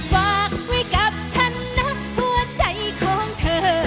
ฝากไว้กับฉันนะหัวใจของเธอ